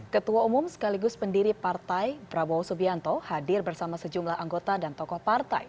ketua umum sekaligus pendiri partai prabowo subianto hadir bersama sejumlah anggota dan tokoh partai